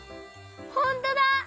ほんとだ！